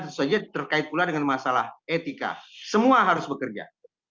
sesuai terkait pula dengan masalah etika semua harus bekerja